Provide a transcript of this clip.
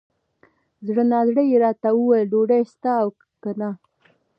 زړه نا زړه یې راته وویل ! ډوډۍ سته که نه؟